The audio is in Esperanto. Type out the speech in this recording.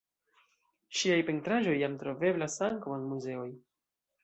Ŝiaj pentraĵoj jam troveblas ankaŭ en muzeoj.